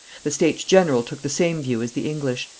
The States General took the same view as the English.